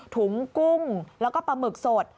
ถุงกุ้งแล้วก็ปลาหมึกสด